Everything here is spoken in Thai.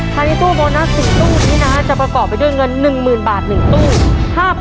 ภายในตู้โบนัส๔ตู้นี้นะฮะจะประกอบไปด้วยเงิน๑๐๐๐บาท๑ตู้